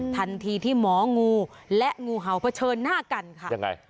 ทันทีที่หมองูและงูเห่าเผชิญหน้ากันค่ะยังไง